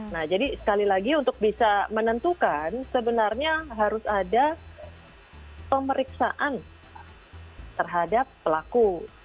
nah jadi sekali lagi untuk bisa menentukan sebenarnya harus ada pemeriksaan terhadap pelaku